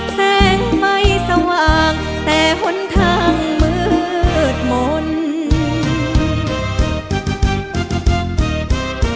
แสงไม่สว่างแต่หนทางมืดมนต์